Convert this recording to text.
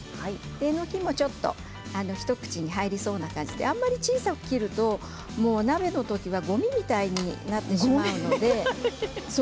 えのきは一口に入りそうな感じであまり小さく切ると、鍋の時はごみみたいになってしまいますので。